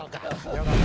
よかった。